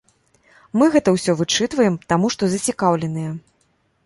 Мы гэта ўсё вычытваем, таму што зацікаўленыя.